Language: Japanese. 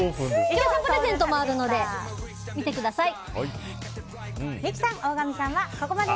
視聴者プレゼントもあるのでぜひ見てください。